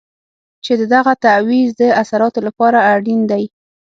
چې د دغه تعویض د اثراتو لپاره اړین دی.